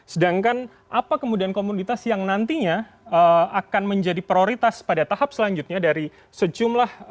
sedangkan apa kemudian komoditas yang nantinya akan menjadi prioritas pada tahap selanjutnya dari sejumlah